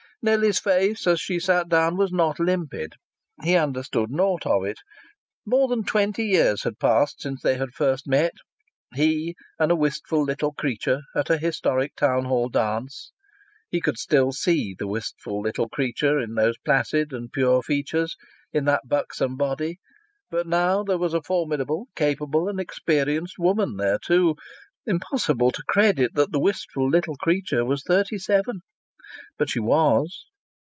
Nellie's face, as she sat down, was not limpid. He understood naught of it. More than twenty years had passed since they had first met he and a wistful little creature at a historic town hall dance. He could still see the wistful little creature in those placid and pure features, in that buxom body; but now there was a formidable, capable and experienced woman there too. Impossible to credit that the wistful little creature was thirty seven! But she was!